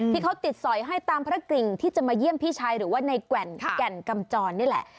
ที่เขาติดสอยให้ตามพระกริ่งที่จะมาเยี่ยมพี่ชายหรือว่าในแก่นกำจรนี่แหละ